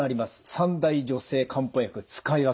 三大女性漢方薬使い分け